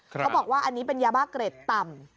เขาบอกว่าอันนี้เป็นยาบ้าเกร็ดต่ำ